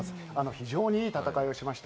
非常にいい戦いをしました。